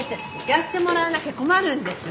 やってもらわなきゃ困るんです。